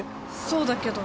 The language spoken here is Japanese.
そうだけど。